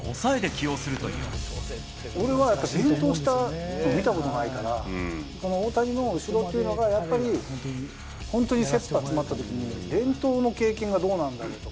俺はやっぱり、連投したのを見たことないから、この大谷の抑えっていうのが、本当にせっぱ詰まったときに連投の経験がどうなんだろうとか。